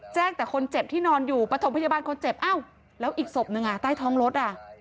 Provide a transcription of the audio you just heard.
แจ้งแต่คนเจ็บที่นอนอยู่ปฐมพยาบาลคนเจ็บแล้วอีกศพนึงใต้ท้องรถ